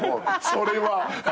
それは。